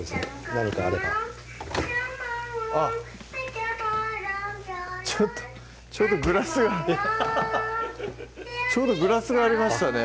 何かあればあっちょうどグラスがえっちょうどグラスがありましたね